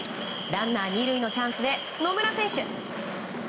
ランナー２塁のチャンスで野村選手。